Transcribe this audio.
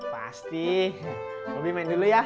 pasti hobi main dulu ya